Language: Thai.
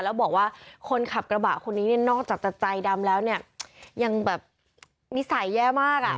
แล้วบอกว่าคนขับกระบะคนนี้เนี่ยนอกจากจะใจดำแล้วเนี่ยยังแบบนิสัยแย่มากอ่ะ